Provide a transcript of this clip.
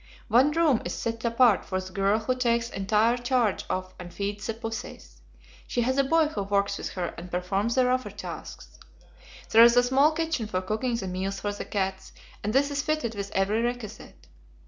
One room is set apart for the girl who takes entire charge of and feeds the pussies. She has a boy who works with her and performs the rougher tasks. There is a small kitchen for cooking the meals for the cats, and this is fitted with every requisite.